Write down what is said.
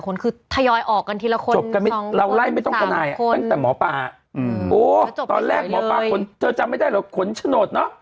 คนคือทยอยออกกันทีละคน